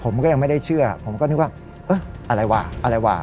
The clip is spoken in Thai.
ผมก็ยังไม่ได้เชื่อผมก็นึกว่าเอออะไรวะอะไรวะ